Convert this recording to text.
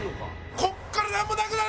ここからなんもなくなる！